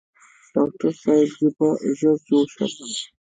ډاکټر صاحب زه به ژر جوړ شم؟